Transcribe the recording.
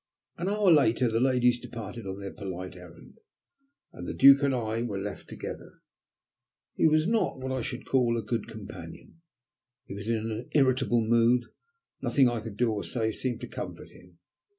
An hour later the ladies departed on their polite errand, and the Duke and I were left together. He was not what I should call a good companion. He was in an irritable mood, and nothing I could do or say seemed to comfort him.